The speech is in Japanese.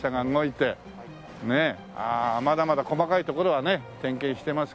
ああまだまだ細かいところはね点検してますけども。